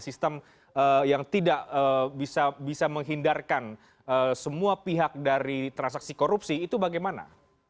sistem yang tidak bisa menghindarkan semua pihak dari transaksi korupsi itu bagaimana